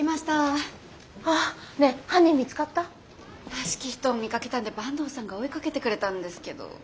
らしき人を見かけたんで坂東さんが追いかけてくれたんですけど。